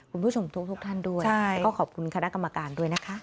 คุณผู้ชมทุกท่านด้วยก็ขอบคุณคณะกรรมการด้วยนะคะ